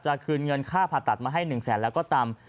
คืนเงินค่าผ่าตัดมาให้๑แสนแล้วก็ต่ำ